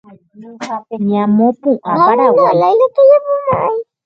Ñamopu’ã Paraguay